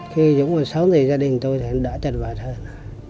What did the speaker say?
khi dũng còn sống thì gia đình tôi thì nó đã trật vật hơn